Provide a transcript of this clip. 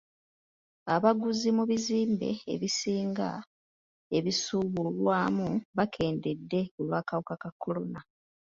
Abaguzi mu bizimbe ebisinga ebisuubulwamu bakendedde olw'akawuka ka kolona.